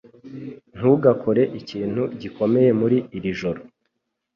Ntugakore ikintu gikomeye muri iri joro